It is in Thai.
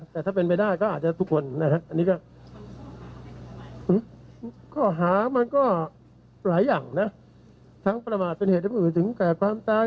มหาภาพมันก็หลายอย่างนะทั้งปรมาทเป็นเหตุภาพอยู่ถึงแขกความตาย